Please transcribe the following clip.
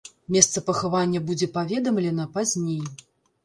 Месца пахавання будзе паведамлена пазней.